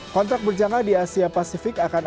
kontrak berjangka di asia pasifik akan